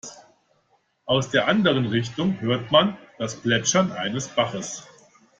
Aus der anderen Richtung hörte man das Plätschern eines Baches.